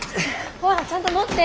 ほらちゃんと持って。